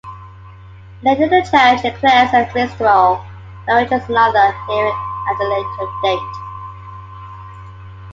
Later the Judge declares a mistrial and arranges another hearing at a later date.